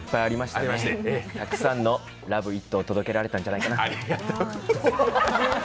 たくさんのＬＯＶＥｉｔ！を届けられたんじゃないかな。